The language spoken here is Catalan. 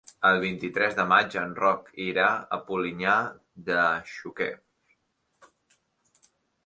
El vint-i-tres de maig en Roc irà a Polinyà de Xúquer.